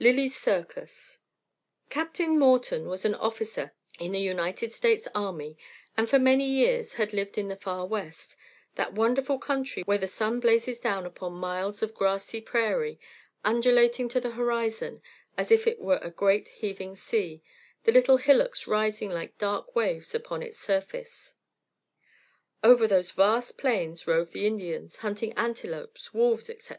_ LILY'S CIRCUS Captain Morton was an officer in the United States Army and for many years had lived in the far west that wonderful country where the sun blazes down upon miles of grassy prairie, undulating to the horizon as if it were a great heaving sea, the little hillocks rising like dark waves upon its surface. Over those vast plains roved the Indians, hunting antelopes, wolves, etc.